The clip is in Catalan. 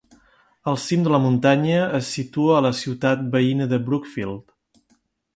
El cim de la muntanya es situa a la ciutat veïna de Brookfield.